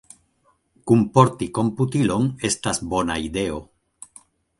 Kunporti komputilon estas bona ideo.